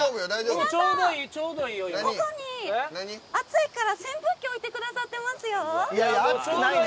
ここに暑いから扇風機置いてくださってますよ。